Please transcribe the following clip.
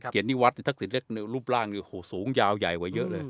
เกียรตินิวัฒน์ทักศิลป์เล็กเนี่ยรูปร่างสูงยาวใหญ่กว่าเยอะเลย